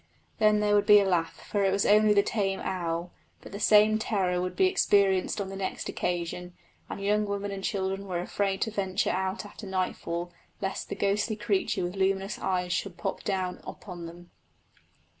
Then there would be a laugh, for it was only the tame owl; but the same terror would be experienced on the next occasion, and young women and children were afraid to venture out after nightfall lest the ghostly creature with luminous eyes should pop down upon them.